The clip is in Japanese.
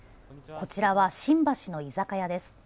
こちらは新橋の居酒屋です。